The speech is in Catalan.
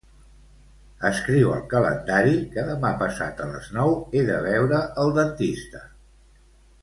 Escriu al calendari que demà passat a les nou he de veure el dentista.